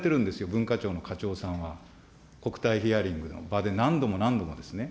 文化庁の課長さんは、国対ヒアリングの場で、何度も何度もですね。